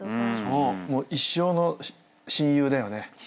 もう一生の親友だよね。